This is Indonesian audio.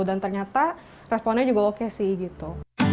dan ternyata responnya juga oke sih gitu